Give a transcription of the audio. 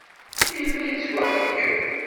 Yella yettwaxeyyeb.